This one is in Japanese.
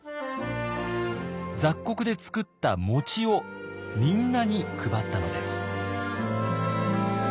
雑穀で作ったもちをみんなに配ったのです。